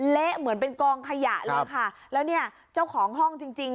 เละเหมือนเป็นกองขยะเลยค่ะแล้วเนี่ยเจ้าของห้องจริงจริง